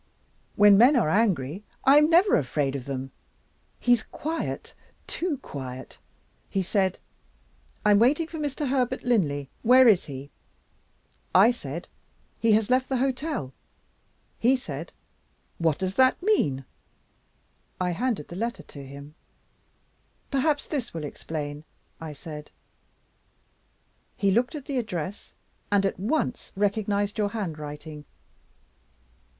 When men are angry, I am never afraid of them. He's quiet, too quiet. He said: 'I'm waiting for Mr. Herbert Linley; where is he?' I said. 'He has left the hotel.' He said: 'What does that mean?' I handed the letter to him. 'Perhaps this will explain,' I said. He looked at the address, and at once recognized your handwriting.